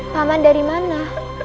paman dari mana